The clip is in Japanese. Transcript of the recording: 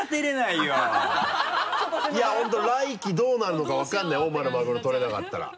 いや来期どうなるのか分からない大間のマグロ取れなかったら。